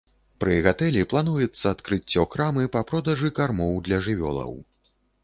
Пры гатэлі плануецца адкрыццё крамы па продажы кармоў для жывёлаў.